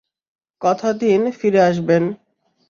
কথা দিন ফিরে আসবেন।